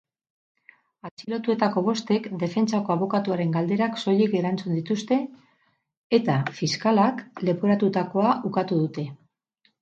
Atxilotuetako bostek defentsako abokatuaren galderak soilik erantzun dituzte eta fiskalak leporatutakoa ukatu dute.